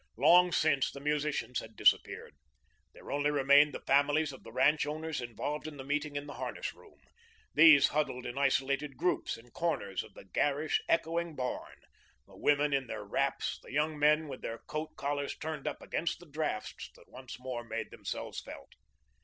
Long since the musicians had disappeared. There only remained the families of the ranch owners involved in the meeting in the harness room. These huddled in isolated groups in corners of the garish, echoing barn, the women in their wraps, the young men with their coat collars turned up against the draughts that once more made themselves felt.